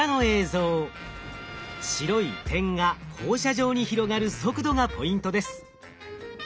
白い点が放射状に広がる速度がポイントです。